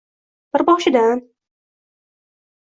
Bir boshidan.